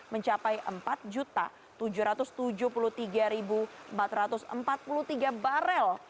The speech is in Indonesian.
mencapai empat tujuh ratus tujuh puluh tiga empat ratus empat puluh tiga barel